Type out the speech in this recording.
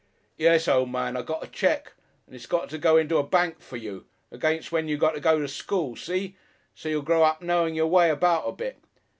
"Yes, o' man, I got a cheque. And it's got to go into a bank for you, against when you got to go to school. See? So's you'll grow up knowing your way about a bit."